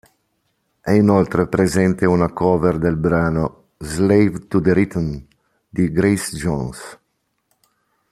È inoltre presente una cover del brano "Slave to the Rhythm" di Grace Jones.